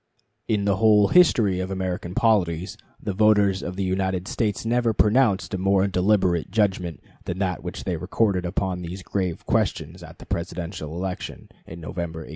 In the whole history of American polities the voters of the United States never pronounced a more deliberate judgment than that which they recorded upon these grave questions at the Presidential election in November, 1860.